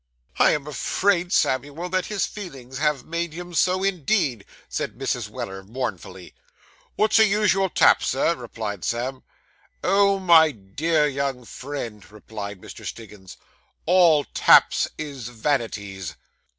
'I am afraid, Samuel, that his feelings have made him so indeed,' said Mrs. Weller mournfully. 'Wot's your usual tap, sir?' replied Sam. 'Oh, my dear young friend,' replied Mr. Stiggins, 'all taps is vanities!